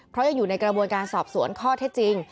เพราะยังอยู่ในกระบวนการสอบสวนข้อเท็จจริง